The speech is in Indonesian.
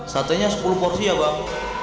sate nya sepuluh porsi ya bang